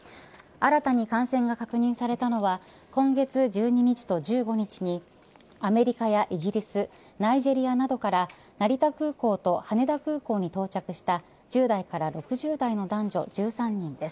新たに感染が確認されたのは今月１２日と１５日にアメリカやイギリスナイジェリアなどから成田空港と羽田空港に到着した１０代から６０代の男女１３人です。